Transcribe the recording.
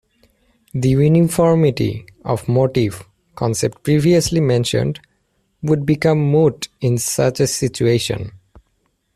The uniformity of motive concept previously mentioned would become moot in such a situation.